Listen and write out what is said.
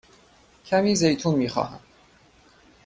کمی زیتون می خواهم.